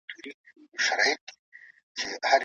سهارنۍ د هورمونونو توازن ساتي.